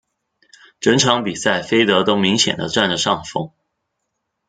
整场比赛菲德都明显的占着上风。